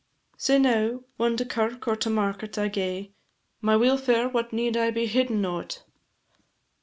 Sae now, whan to kirk or to market I gae My weelfare what need I be hiddin' o't?